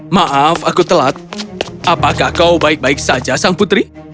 maaf aku telat apakah kau baik baik saja sang putri